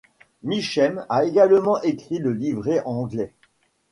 Mechem a également écrit le livret anglais.